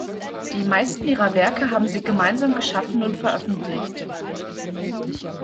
Die meisten ihrer Werke haben sie gemeinsam geschaffen und veröffentlicht.